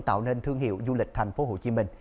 tạo nên thương hiệu du lịch tp hcm